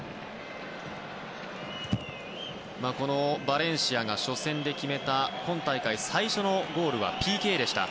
バレンシアが初戦で決めた今大会最初のゴールはＰＫでした。